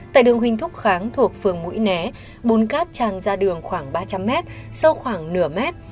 tại đường huynh thúc kháng thuộc phương mũi né bùn cát tràn ra đường khoảng ba trăm linh m sâu khoảng nửa mét